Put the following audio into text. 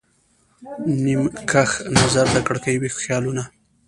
نیم کښ نظر د کړکۍ، ویښ خیالونه